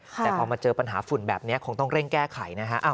แต่พอมาเจอปัญหาฝุ่นแบบนี้คงต้องเร่งแก้ไขนะฮะ